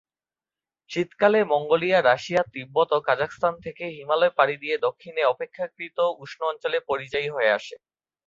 শীতকালে Mongolia, Russia, Tibet ও Kazakhstan থেকে হিমালয় পাড়ি দিয়ে দক্ষিণে অপেক্ষাকৃত উষ্ণ অঞ্চলে পরিযায়ী হয়ে আসে।